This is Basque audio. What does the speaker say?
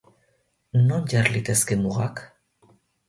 Non jar litezke mugak?